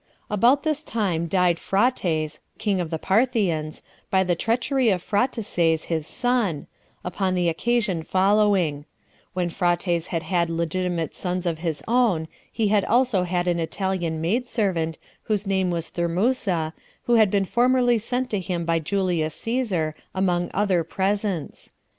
6 4. About this time died Phraates, king of the Parthians, by the treachery of Phraataces his son, upon the occasion following: When Phraates had had legitimate sons of his own, he had also an Italian maid servant, whose name was Thermusa, who had been formerly sent to him by Julius Cæsar, among other presents.